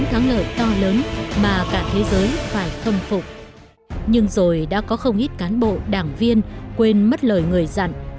đảng viên đã có không ít cán bộ đảng viên quên mất lời người dặn